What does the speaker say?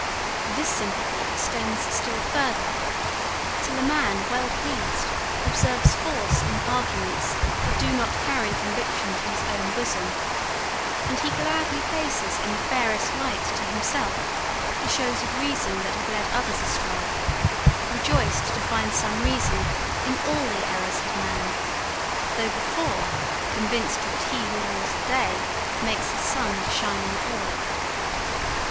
This sympathy extends still further, till a man well pleased observes force in arguments that do not carry conviction to his own bosom, and he gladly places in the fairest light to himself, the shows of reason that have led others astray, rejoiced to find some reason in all the errors of man; though before convinced that he who rules the day makes his sun to shine on all.